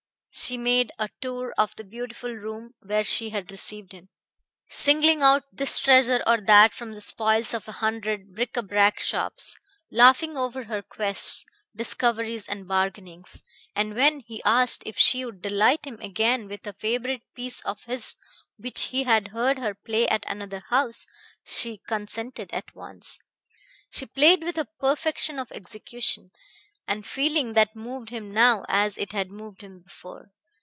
She made a tour of the beautiful room where she had received him, singling out this treasure or that from the spoils of a hundred bric à brac shops, laughing over her quests, discoveries and bargainings. And when he asked if she would delight him again with a favorite piece of his which he had heard her play at another house, she consented at once. She played with a perfection of execution and feeling that moved him now as it had moved him before.